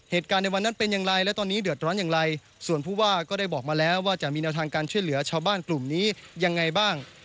เหตุการณ์ในวันนั้นเป็นอย่างไรและตอนนี้เดือดร้อนอย่างไรส่วนผู้ว่าก็ได้บอกมาแล้วว่าจะมีแนวทางการช่วยเหลือชาวบ้านกลุ่มนี้ยังไงบ้าง